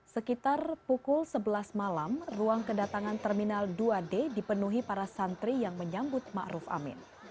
sekitar pukul sebelas malam ruang kedatangan terminal dua d dipenuhi para santri yang menyambut ⁇ maruf ⁇ amin